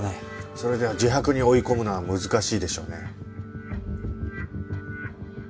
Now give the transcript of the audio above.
それでは自白に追い込むのは難しいでしょうね。